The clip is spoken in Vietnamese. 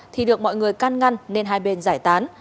thì được mọi người can ngăn nên hai bên giải tán